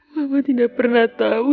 mama tidak pernah tahu